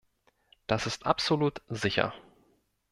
Das ist absolut sicher.